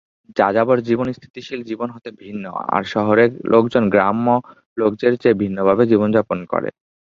যাযাবর জীবন স্থিতিশীল জীবন হতে ভিন্ন, আর শহুরে লোকজন গ্রাম্য লোকেদের চেয়ে ভিন্নভাবে জীবনযাপন করে।